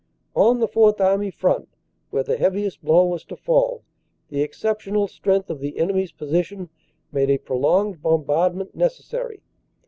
On the Fourth Army front. 208 CANADA S HUNDRED DAYS where the heaviest blow was to fall, the exceptional strength of the enemy s position made a prolonged bombardment neces sary.